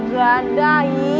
gak ada i